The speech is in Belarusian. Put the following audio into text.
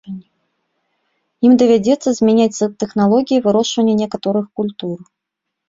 Ім давядзецца змяняць тэхналогіі вырошчвання некаторых культур.